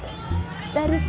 pengabdian mams pengabdian mams